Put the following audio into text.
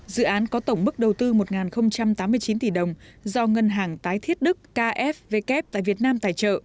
dự án có tổng mức đầu tư một tám mươi chín tỷ đồng do ngân hàng tái thiết đức kfvk tại việt nam tài trợ